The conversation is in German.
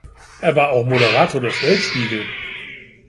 Er war auch Moderator des Weltspiegel.